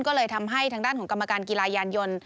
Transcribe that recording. ก็เลยทำให้ทางด้านของกรรมการกีฬายานยนต์